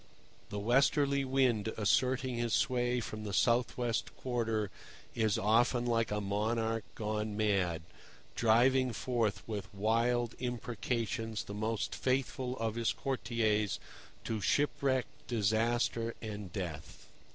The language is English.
The Westerly Wind asserting his sway from the south west quarter is often like a monarch gone mad, driving forth with wild imprecations the most faithful of his courtiers to shipwreck, disaster, and death.